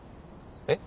えっ？